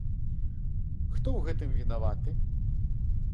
Хто ў гэтым вінаваты?